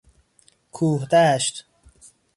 کوهدشت